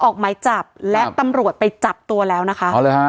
ออกไม้จับครับและตำรวจไปจับตัวแล้วนะคะเอาเลยฮะ